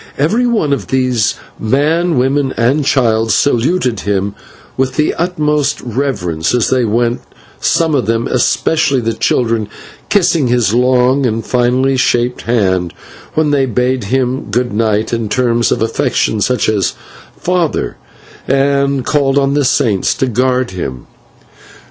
Every one of these, man, woman, and child, saluted him with the utmost reverence as they went, some of them, especially the children, kissing his long and finely shaped hand when they bade him good night in terms of affection, such as "father," and called on the Saints to guard him.